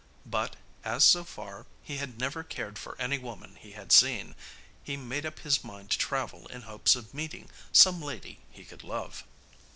But as, so far, he had never cared for any woman he had seen, he made up his mind to travel in hopes of meeting some lady he could love.